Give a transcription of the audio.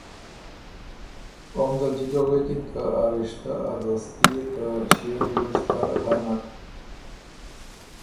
اوم دل جکه غوېکِن که ا رِشته ا دوستي يې ته ݭيې ریوز کر هۀ نک۔